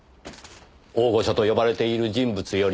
大御所と呼ばれている人物よりも。